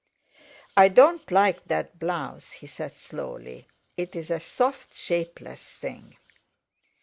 "I don't like that blouse," he said slowly, "it's a soft, shapeless thing!"